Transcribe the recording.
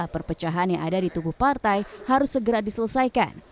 perpecahan yang ada di tubuh partai harus segera diselesaikan